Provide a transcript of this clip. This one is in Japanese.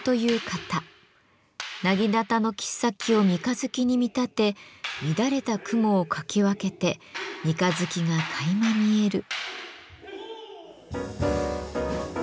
薙刀の切っ先を三日月に見立て乱れた雲をかき分けて三日月がかいま見える。